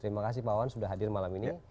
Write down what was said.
terima kasih pak wawan sudah hadir malam ini